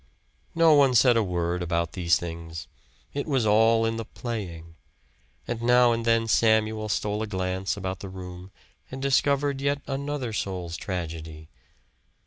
No one said a word about these things. It was all in the playing. And now and then Samuel stole a glance about the room and discovered yet another soul's tragedy.